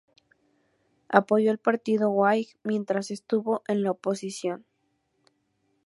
Apoyó al partido whig mientras estuvo en la oposición.